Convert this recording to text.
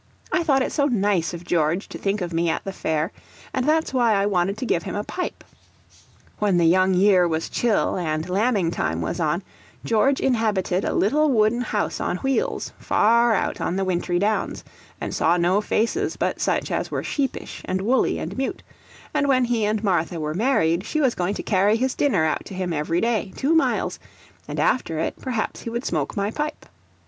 I thought it so nice of George to think of me at the fair, and that's why I wanted to give him a pipe. When the young year was chill and lambing time was on, George inhabited a little wooden house on wheels, far out on the wintry downs, and saw no faces but such as were sheepish and woolly and mute; ant when he and Martha were married, she was going to carry his dinner out to him every day, two miles; and after it, perhaps he would smoke my pipe.